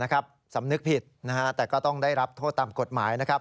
นะครับสำนึกผิดแต่ก็ต้องได้รับโทษตามกฎหมาย